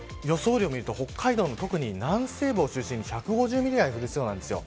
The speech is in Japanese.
雨量を見ると北海道の特に南西部を中心に１５０ミリくらい降りそうなんです。